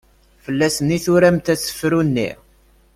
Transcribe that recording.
Fell-asen i turamt asefru-nni?